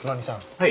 はい。